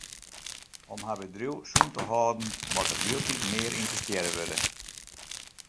Om har bedriuw sûn te hâlden moat der hieltyd mear ynvestearre wurde.